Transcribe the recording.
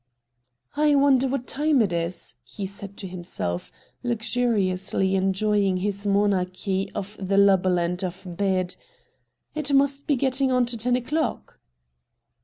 ' I wonder what time it is,' he said to himself, luxuriously enjoying his monarchy of the lubberland of bed ;' it must be getting on to ten o'clock.'